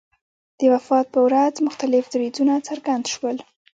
د وفات په ورځ مختلف دریځونه څرګند شول.